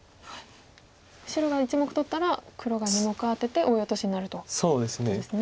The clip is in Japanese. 白が１目取ったら黒が２目アテてオイオトシになるということですね。